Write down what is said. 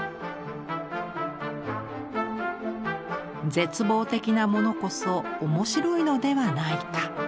絶望的なものこそ面白いのではないか。